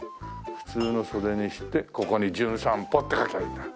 普通の袖にしてここに『じゅん散歩』って書けばいいんだ。